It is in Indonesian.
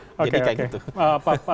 menjadi satu benang merah begitu ya